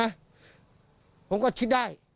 และผมก็ฉิดได้